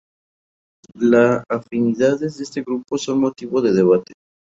La afinidades de este grupo son motivo de debate.